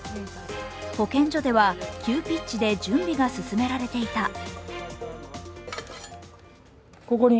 保健所では急ピッチで準備が進められていた。